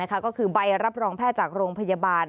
ก็คือใบรับรองแพทย์จากโรงพยาบาล